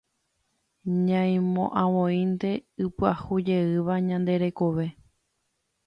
Ñaimo'ãvoínte ipyahujeýva ñande rekove.